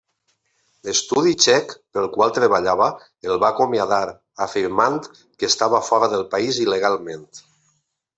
L'estudi txec pel qual treballava el va acomiadar, afirmant que estava fora del país il·legalment.